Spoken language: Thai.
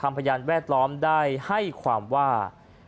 ก็มีรถรถขยันแวดล้อมได้ให้ความว่า